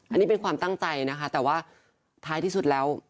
อันนี้เป็นความตั้งใจนะคะแต่ว่าท้ายที่สุดแล้ว